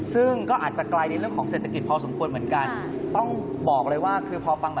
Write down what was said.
ซึ่งก็อาจจะกลายได้เรื่องของเศรษฐกิจพอสมควรเหมือนกัน